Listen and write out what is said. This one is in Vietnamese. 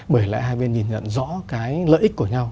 bởi lại hai bên nhìn nhận rõ cái lợi ích của nhau